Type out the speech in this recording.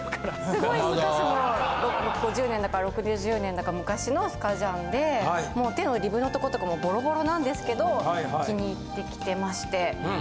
すごい昔の５０年だか６０年だか昔のスカジャンで手のリブのとことかもボロボロなんですけど気に入って着てまして。